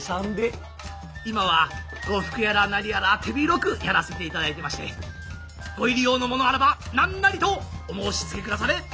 今は呉服やら何やら手広くやらせていただいてましてご入り用の物あらば何なりとお申しつけくだされ！